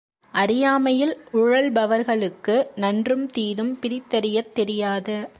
அறியாமையில் உழல்பவர்களுக்கு நன்றும் தீதும் பிரித்தறியத் தெரியாது.